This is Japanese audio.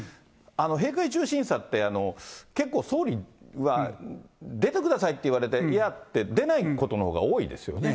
閉会中審査って、結構総理は出てくださいって言われて、いやってでないことのほうが多いですよね。